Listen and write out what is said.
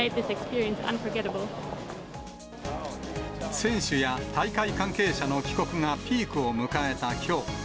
選手や大会関係者の帰国がピークを迎えたきょう。